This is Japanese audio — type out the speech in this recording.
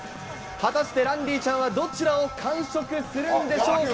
果たしてランディちゃんはどちらを完食するんでしょうか。